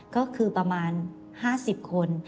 ก็คือประมาณ๕๐คน